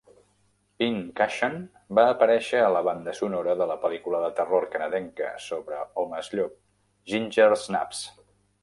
"Pin Cushion" va aparèixer a la banda sonora de la pel·lícula de terror canadenca sobre homes llop, Ginger Snaps.